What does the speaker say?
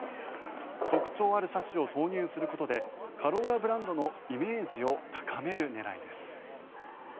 特徴ある車種を投入することでカローラブランドのイメージを高める狙いです。